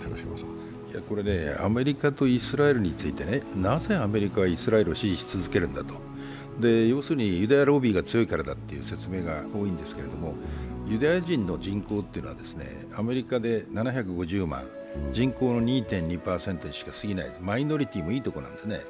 アメリカとイスラエルについて、なぜアメリカはイスラエルを支持し続けるんだと、要するにユダヤロビーが強いからだという説明が多いんですがユダヤ人の人口というのはアメリカで７５０万人口２．２％にすぎない、マイノリティーもいいとこなんですね。